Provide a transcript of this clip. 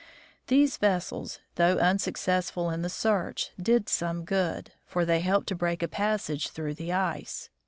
These vessels, though unsuccessful in the search, did some good, for they helped to break a passage through the ice.